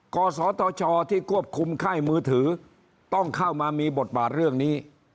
กศธชที่ควบคุมค่ายมือถือต้องเข้ามามีบทบาทเรื่องนี้